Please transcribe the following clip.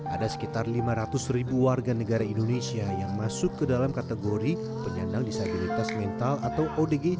ada sekitar lima ratus ribu warga negara indonesia yang masuk ke dalam kategori penyandang disabilitas mental atau odgj